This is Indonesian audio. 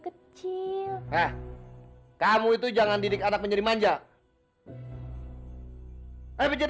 kecil kamu itu jangan didik anak menjadi manja hai lebih dari